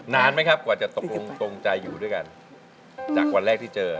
นานไหมครับกว่าจะตกลงตรงใจอยู่ด้วยกันจากวันแรกที่เจอ